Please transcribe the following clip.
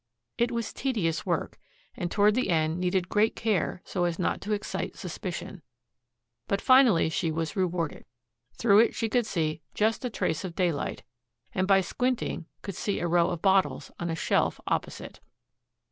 It was tedious work, and toward the end needed great care so as not to excite suspicion. But finally she was rewarded. Through it she could see just a trace of daylight, and by squinting could see a row of bottles on a shelf opposite.